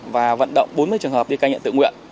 và vận động bốn mươi trường hợp đi cai nghiện tự nguyện